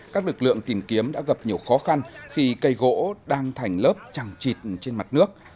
các lực lượng tìm kiếm đã gặp nhiều khó khăn khi cây gỗ đang thành lớp trăng trịt trên mặt nước